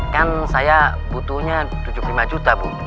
kan saya butuhnya tujuh puluh lima juta bu